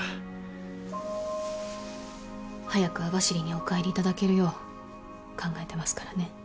早く網走にお帰りいただけるよう考えてますからね。